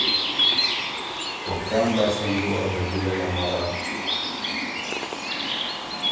او کان لاستم بُو ا بدِلئ امرا۔